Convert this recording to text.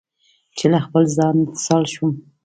چې له خپل ځان، اتصال شوم